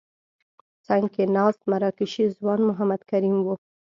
څنګ کې ناست مراکشي ځوان محمد کریم وو.